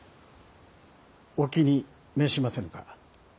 お気に召しませぬか？